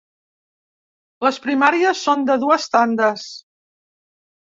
Les primàries són de dues tandes.